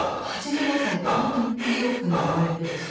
８５歳で本当に意欲に燃えてるし。